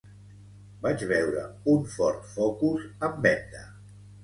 Vaig veure un Ford Focus en venda.